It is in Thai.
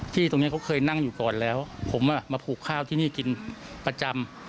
ที่ตรงนี้เขาเคยนั่งอยู่ก่อนแล้วผมมาผูกข้าวที่นี่กินประจำ